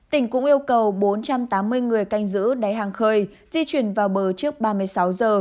tỉnh cũng yêu cầu bốn trăm tám mươi người canh giữ đáy hàng khơi di chuyển vào bờ trước ba mươi sáu giờ